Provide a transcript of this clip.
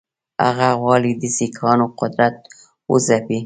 هغه غواړي د سیکهانو قدرت وځپي.